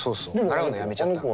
習うのやめちゃったの。